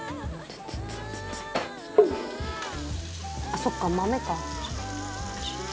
「あっそっか豆か」